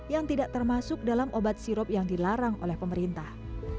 yang tidak termasuk dalam obat sirup yang dilarang oleh pemerintah